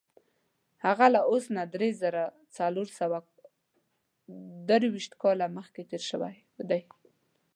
هغه له اوس نه دری زره څلور سوه درویشت کاله مخکې تېر شوی دی.